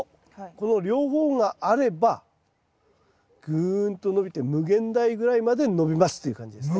この両方があればぐんと伸びて無限大ぐらいまで伸びますっていう感じですね。